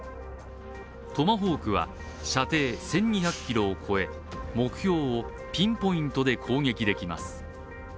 トマホークは射程１２００ｋｍを超え目標をピンポイントで攻撃できます。